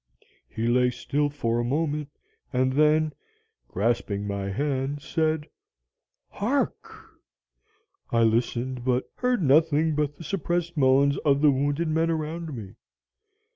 "He lay still for a moment, and then, grasping my hand, said, "'Hark!' "I listened, but heard nothing but the suppressed moans of the wounded men around me.